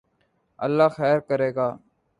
اللہ خیر کرے گا